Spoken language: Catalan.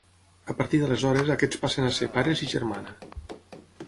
A partir d’aleshores aquests passen a ser pares i germana.